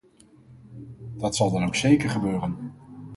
Dat zal dan ook zeker gebeuren.